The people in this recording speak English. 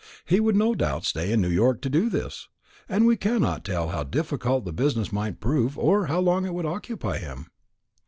He would no doubt stay in New York to do this; and we cannot tell how difficult the business might prove, or how long it would occupy him."